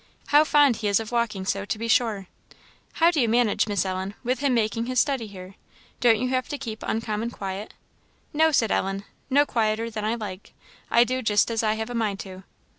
How fond he is of walking so, to be sure! How do you manage, Miss Ellen, with him making his study here? don't you have to keep uncommon quiet?" "No," said Ellen "no quieter than I like. I do just as I have a mind to."